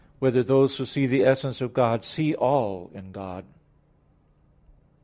8] Whether Those Who See the Essence of God See All in God?